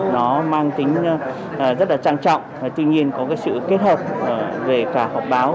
nó mang tính rất là trang trọng tuy nhiên có cái sự kết hợp về cả họp báo